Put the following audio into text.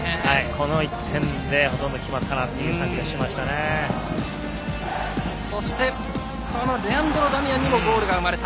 この１点でほとんど決まったなという感じがそしてレアンドロ・ダミアンにもゴールが生まれた。